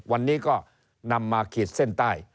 วันนี้ก็นำมาขีดเส้นใต้